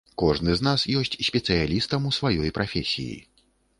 Кожны з нас ёсць спецыялістам у сваёй прафесіі.